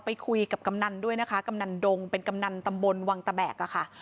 ไปคุยกับกำนันด้วยนะคะกำนันดงเป็นกำนันตำบลวังตะแบกอะค่ะ